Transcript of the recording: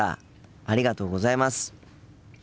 ありがとうございます。